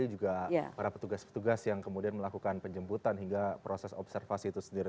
juga para petugas petugas yang kemudian melakukan penjemputan hingga proses observasi itu sendiri